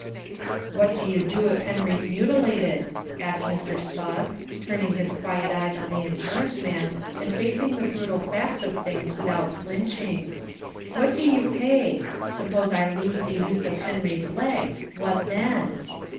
"What do you do if Henry's mutilated?" asked Mr. Spugg, turning his quiet eyes on the insurance man and facing the brutal facts of things without flinching. "What do you pay? Suppose I lose the use of Henry's legs, what then?"